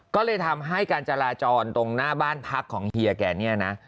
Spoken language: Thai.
ก็เลยทำให้การจราจรตรงหน้าบ้านพักของเฮียแกเนี่ยนะ